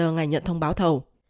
ngày nhận thông báo thầu